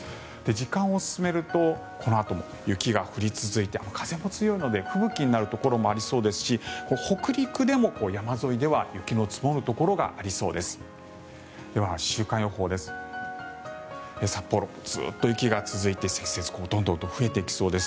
時間を進めるとこのあとも雪が降り続いて風も強いので吹雪になるところもありそうですし北陸でも山沿いでは雪の積もるところがありそうです。